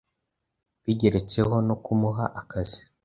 bigeretseho no kumuha akazi